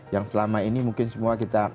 yang selama ini mungkin semua kita